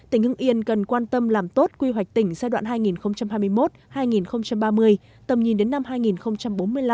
tỉnh hưng yên cần quan tâm làm tốt quy hoạch tỉnh giai đoạn hai nghìn hai mươi một hai nghìn ba mươi tầm nhìn đến năm hai nghìn bốn mươi năm